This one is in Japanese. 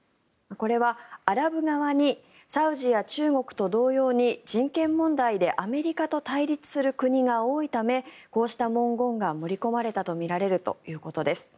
これはアラブ側にサウジや中国と同様に人権問題でアメリカと対立する国が多いためこうした文言が盛り込まれたとみられるということです。